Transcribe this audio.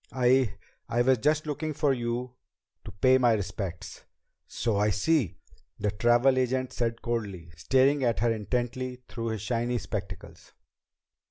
"I I was just looking for you to pay my respects." "So I see," the travel agent said coldly, staring at her intently through his shiny spectacles.